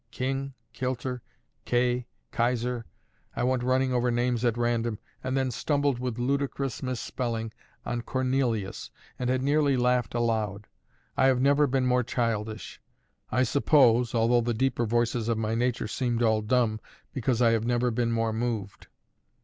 King, Kilter, Kay, Kaiser, I went, running over names at random, and then stumbled with ludicrous misspelling on Kornelius, and had nearly laughed aloud. I have never been more childish; I suppose (although the deeper voices of my nature seemed all dumb) because I have never been more moved.